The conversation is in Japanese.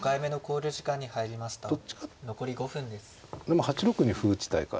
どっちかでも８六に歩打ちたいから。